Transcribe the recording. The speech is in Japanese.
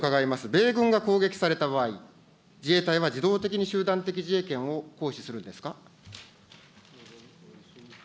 米軍が攻撃された場合、自衛隊は自動的に集団的自衛権を行使するんですか。